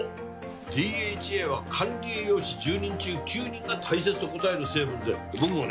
ＤＨＡは管理栄養士１０人中９人が大切と答える成分で僕もね